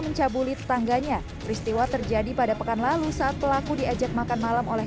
mencabuli tetangganya peristiwa terjadi pada pekan lalu saat pelaku diajak makan malam oleh